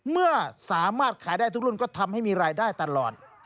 เมื่อสามารถขายได้ทุกรุ่นก็ทำให้มีรายได้ตลอด